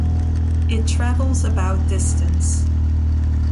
It travels about distance.